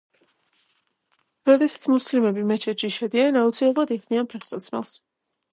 როდესაც მუსლიმები მეჩეთში შედიან აუცილებლად იხდიან ფეხსაცმელს.